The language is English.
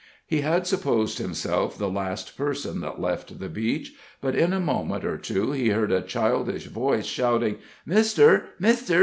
He had supposed himself the last person that left the beach, but in a moment or two he heard a childish voice shouting: "Mister, mister!